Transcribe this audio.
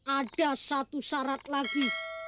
ada satu syarat lagi